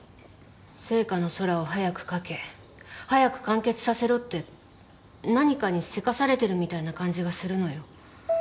『ＳＥＩＫＡの空』を早く描け早く完結させろって何かに急かされてるみたいな感じがするのよ。